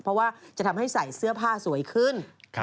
เพราะว่าจะทำให้ใส่เสื้อผ้าสวยขึ้น